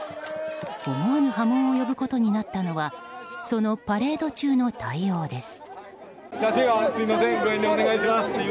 思わぬ波紋を呼ぶことになったのはそのパレード中の対応です。